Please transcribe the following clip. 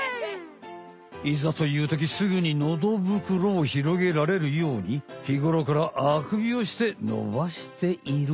いざというときすぐにのど袋を広げられるようにひごろからあくびをして伸ばしている。